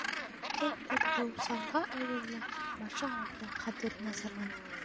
Ул ҡуҙғыусанға әүерелә, башы ауырта, хәтере насарлана.